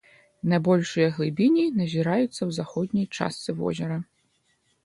Найбольшыя глыбіні назіраюцца ў заходняй частцы возера.